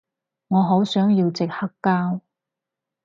我好想要隻黑膠